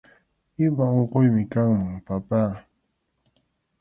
Ima unquymi kanman, papá